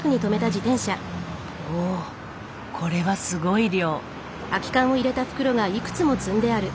おおこれはすごい量。